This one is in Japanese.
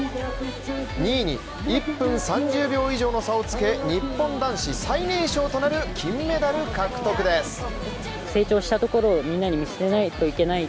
２位に１分３０秒以上の差をつけ日本男子最年少となる金メダル獲得です。